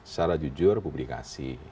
secara jujur publikasi